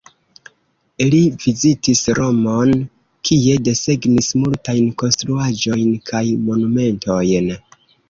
Li vizitis Romon, kie desegnis multajn konstruaĵojn kaj monumentojn.